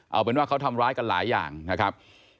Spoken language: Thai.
เอาเป็นว่าเขาทำร้ายกันหลายอย่างนะครับ